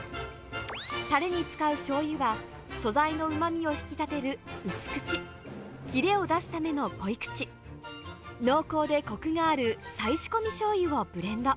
たれに使うしょうゆは、素材のうまみを引き立てる薄口、切れを出すための濃い口、濃厚でこくがある再仕込みしょうゆをブレンド。